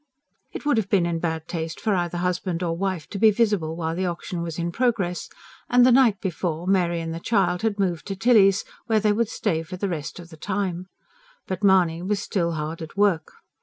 It would have been in bad taste for either husband or wife to be visible while the auction was in progress; and, the night before, Mary and the child had moved to Tilly's, where they would stay for the rest of the time. But Mahony was still hard at work.